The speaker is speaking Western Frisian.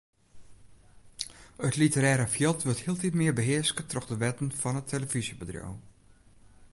It literêre fjild wurdt hieltyd mear behearske troch de wetten fan it telefyzjebedriuw.